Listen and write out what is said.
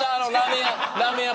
ラーメン屋